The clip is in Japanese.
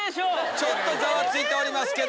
ちょっとざわついてます。